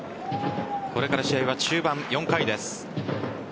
これから試合は中盤、４回です。